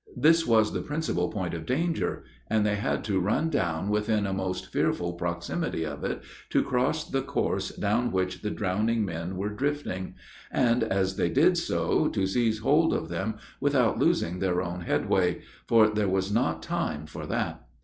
This was the principal point of danger, and they had to run down within a most fearful proximity of it, to cross the course down which the drowning men were drifting, and, as they did so, to seize hold of them without losing their own headway; for there was not time for that.